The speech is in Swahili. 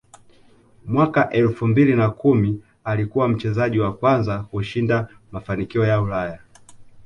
Mwaka elfu mbili na kumi alikuwa mchezaji wa kwanza kushinda mafanikio ya Ulaya